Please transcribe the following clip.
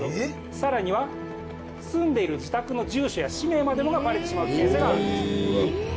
更には住んでいる自宅の住所や氏名までもがバレてしまう危険性があるんです。